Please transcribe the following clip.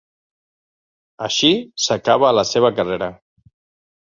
Així s'acaba la seva carrera.